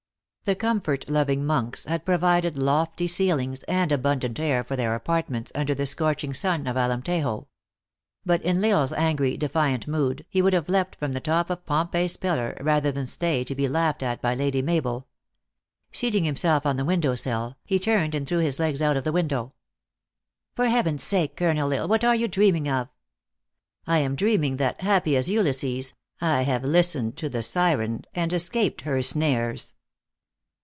The comfort loving monks had provided lofty ceilings and abundant air for their apartments under the scorching sun of Alein tejo. But in L Isle s angry, defiant mood, he would have leapt from the top of Pompey s Pillar, rather than stay to be laughed at by Lady Mabel. Seating him 376 THE ACTEESS IN HIGH LIFE. self on the window sill, he turned and threw his legs out of the window. " For Heaven s sake, Colonel L Isle, what are you dreaming of?" " I am dreaming that, happy as Ulysses, I have lis tened to the Syren, and escaped her snares."